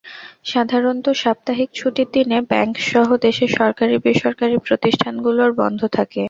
সাধারণত সাপ্তাহিক ছুটির দিনে ব্যাংকসহ দেশের সরকারি, বেসরকারি প্রতিষ্ঠানগুলো বন্ধ থাকে।